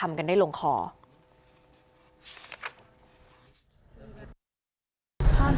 เพราะว่าพ่อไม่เคยบอกเล่าปัญหาอะไรให้ฟัง